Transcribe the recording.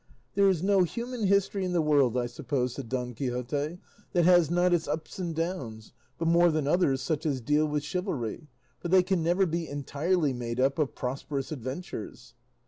"There is no human history in the world, I suppose," said Don Quixote, "that has not its ups and downs, but more than others such as deal with chivalry, for they can never be entirely made up of prosperous adventures."